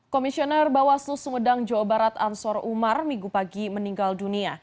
komisioner bawaslu sumedang jawa barat ansor umar minggu pagi meninggal dunia